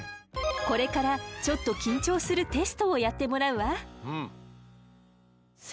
これからちょっと緊張するテストをやってもらうわ。